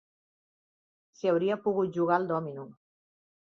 S'hi hauria pogut jugar al dòmino